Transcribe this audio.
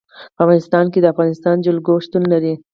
په افغانستان کې د افغانستان جلکو شتون لري.